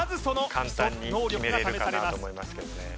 決めれるかなと思いますけどね